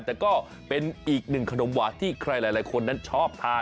แต่ก็เป็นอีกหนึ่งขนมหวานที่ใครหลายคนนั้นชอบทาน